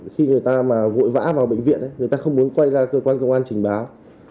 khi người ta mà vội vã vào bệnh viện người ta không muốn quay ra cơ quan công an trình báo